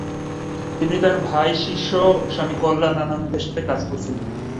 তিনি তাঁর ভাই শিষ্য স্বামী কল্যানানন্দের সাথে কাজ করেছিলেন।